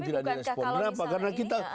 tapi bukankah kalau misalnya ini ya